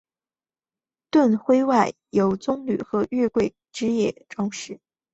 盾徽外由棕榈和月桂枝条装饰。